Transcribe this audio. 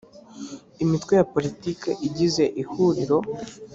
imitwe ya politiki igize ihuriro